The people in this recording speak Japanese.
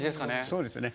そうですね。